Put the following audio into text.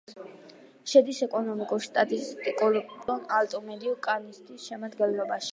შედის ეკონომიკურ-სტატისტიკურ მიკრორეგიონ ალტუ-მედიუ-კანინდეს შემადგენლობაში.